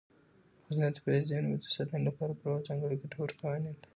افغانستان د طبیعي زیرمې د ساتنې لپاره پوره او ځانګړي ګټور قوانین لري.